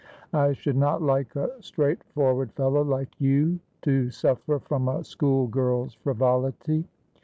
I should not like a straightforward fellow like you to suffer from a school girl's frivolity.